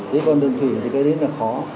với con đường thủy thì cái đấy là khó